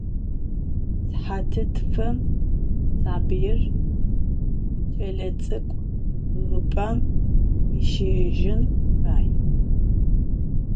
Sıhatı tfım sabıir ç'eletsık'u 'ığıp'em khisşıjın fay.